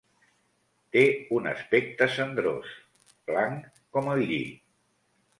Té un aspecte cendrós, blanc com el lli.